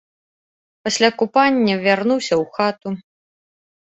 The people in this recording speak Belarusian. Пасля купання вярнуўся ў хату.